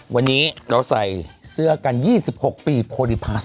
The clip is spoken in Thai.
วันนี้เราใส่เสื้อกัน๒๖ปีโพลิพาส